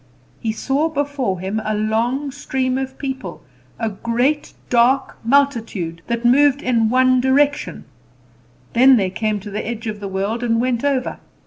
He saw before him a long stream of people, a great dark multitude, that moved in one direction; then they came to the dark edge of the world and went over.